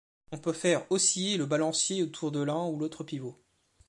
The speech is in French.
On peut faire osciller le balancier autour de l'un ou l'autre pivot.